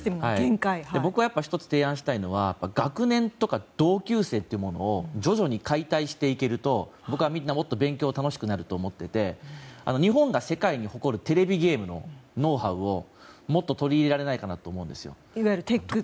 僕は１つ提案したいのは学年とか同級生というものを徐々に解体していけると僕はみんなもっと勉強が楽しくなると思っていて日本が世界に誇るテレビゲームのノウハウをもっと取り入れられないかなと思うんですよ。